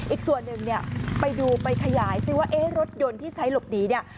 อีกส่วนหนึ่งเนี่ยไปดูไปขยายซิว่ารถยนต์ที่ใช้หลบหนีเนี่ย